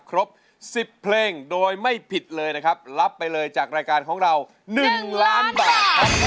ครบ๑๐เพลงโดยไม่ผิดเลยนะครับรับไปเลยจากรายการของเรา๑ล้านบาทครับ